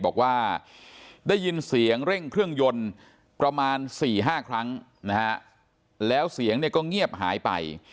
บอกว่าได้ยินเสียงเร่งเครื่องยนต์ประมาณ๔๕ครั้งนะฮะแล้วเสียงเนี่ยก็เงียบหายไป